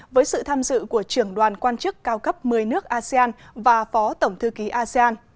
với sự tham dự của trưởng đoàn quan chức cao cấp một mươi nước asean và phó tổng thư ký asean